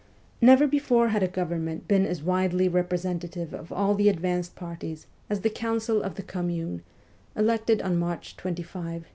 Never before had a government been as fairly WESTERN EUROPE 209 representative of all the advanced parties as the Council of the Commune, elected on March 25, 1871.